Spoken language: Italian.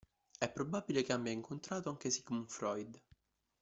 È probabile che abbia incontrato anche Sigmund Freud.